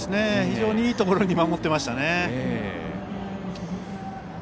非常にいいところに守っていましたね。